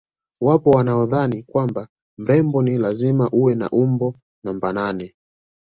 Wapo wanaodhani kwamba mrembo ni lazima uwe na umbo namba nane